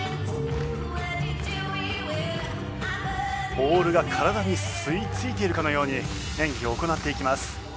ボールが体に吸いついているかのように演技を行っていきます。